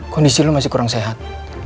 kondisi lu masih kurang sehat